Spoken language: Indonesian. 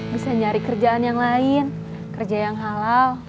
bisa nyari kerjaan yang lain kerja yang halal